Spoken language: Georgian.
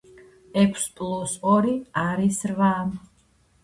ექვს პლუს ორი არის რვა.